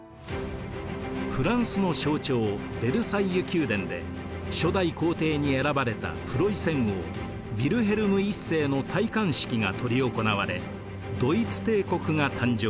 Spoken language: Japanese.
フランスの象徴ヴェルサイユ宮殿で初代皇帝に選ばれたプロイセン王ヴィルヘルム１世の戴冠式が執り行われドイツ帝国が誕生。